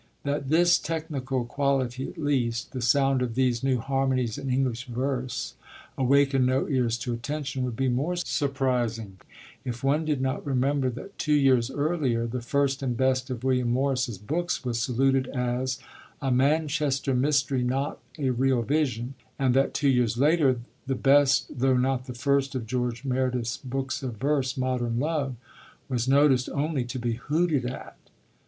That this technical quality, at least, the sound of these new harmonies in English verse, awakened no ears to attention, would be more surprising if one did not remember that two years earlier the first and best of William Morris's books was saluted as 'a Manchester mystery, not a real vision,' and that two years later the best though not the first of George Meredith's books of verse, Modern Love, was noticed only to be hooted at.